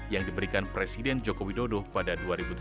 yang diberikan presiden joko widodo pada dua ribu tujuh belas